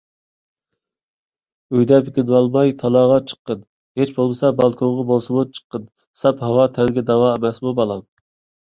ئۆيدە بېكىنىۋالماي، تالاغا چىققىن. ھىچ بولمىسا بالكۇنغا بولسىمۇ چىققىن، ساپ ھاۋا تەنگە داۋا ئەمەسمۇ بالام.